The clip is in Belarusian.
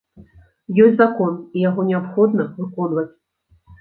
Ёсць закон, і яго неабходна выконваць.